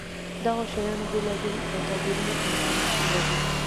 دغو شیانو بېلابېل تعبیرونه امکان لري.